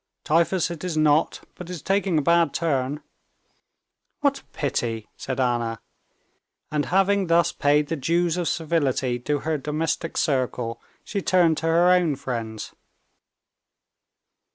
"Typhus it is not, but it's taking a bad turn." "What a pity!" said Anna, and having thus paid the dues of civility to her domestic circle, she turned to her own friends.